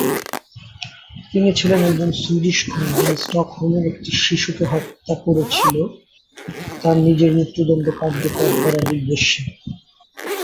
তিনি ছিলেন একজন সুইডিশ খুনী, যিনি স্টকহোমে একটি শিশুকে হত্যা করেছিল তার নিজের মৃত্যুদন্ড কার্যকর করার উদ্দেশ্যে।